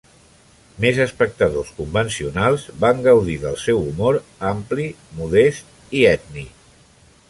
Més espectadors convencionals van gaudir del seu humor ampli, modest i ètnic.